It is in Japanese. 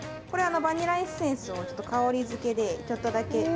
これバニラエッセンスを香りづけでちょっとだけ。